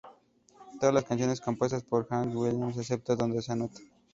Todas las canciones compuestas por Hank Williams excepto donde se anota.